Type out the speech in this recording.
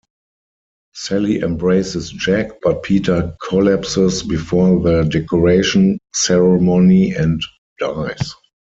Sally embraces Jack, but Peter collapses before the decoration ceremony and dies.